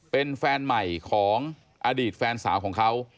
เป็นแฟนใหม่ของอดีตแฟนสาวของเขา